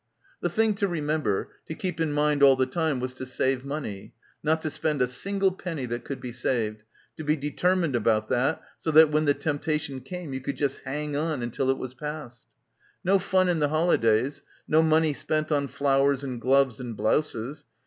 The thing to remember, to keep in mind all the time was to save money — not to spend a single penny that could be saved, to be deter mined about that so that when the tempta tion came you could just hang on until it was past. No fun in the holidays, no money spent on flowers and gloves and blouses.